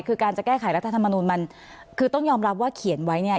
คือการจะแก้ไขรัฐธรรมนูลมันคือต้องยอมรับว่าเขียนไว้เนี่ย